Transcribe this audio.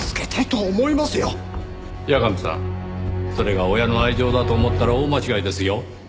八神さんそれが親の愛情だと思ったら大間違いですよ。